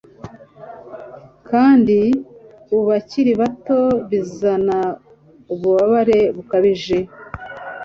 kandi kubakiri bato bizana ububabare bukabije